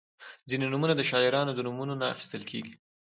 • ځینې نومونه د شاعرانو د نومونو نه اخیستل کیږي.